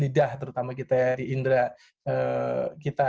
lidah terutama kita ya di indra kita